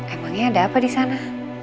emangnya ada apa disana